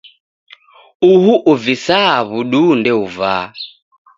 Uhu uvisaa w'uduu ndeuvaa.